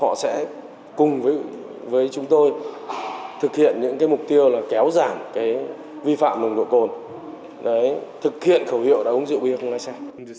họ sẽ cùng với chúng tôi thực hiện những mục tiêu là kéo giảm vi phạm đồ uống có cồn thực hiện khẩu hiệu đá uống rượu bia không lai xe